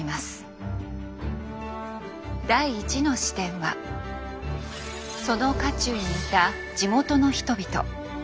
第１の視点はその渦中にいた地元の人々。